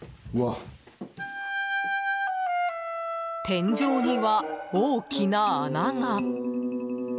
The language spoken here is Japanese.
天井には大きな穴が。